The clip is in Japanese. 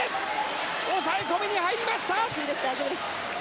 押さえ込みに入りました。